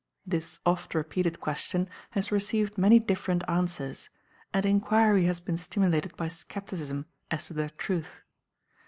This oft repeated question has received many different answers; and inquiry has been stimulated by skepticism as to their truth.